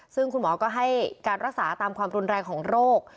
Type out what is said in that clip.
ซึ่งคุณหมอก็ให้การรักษาตามความรุนแรงของโรค